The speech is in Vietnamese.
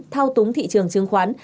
thao túng thị trường chứng khoán